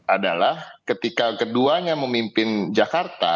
adalah ketika keduanya memimpin jakarta